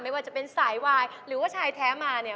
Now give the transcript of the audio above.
ว่าจะเป็นสายวายหรือว่าชายแท้มาเนี่ย